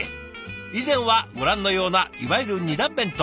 以前はご覧のようないわゆる２段弁当。